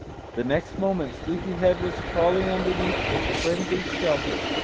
The next moment Sleepy head was crawling underneath the friendly shelter.